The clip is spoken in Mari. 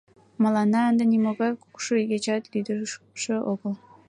Мыланна ынде нимогай кукшу игечат лӱдыкшӧ огыл.